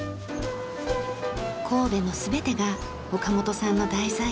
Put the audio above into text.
神戸の全てが岡本さんの題材。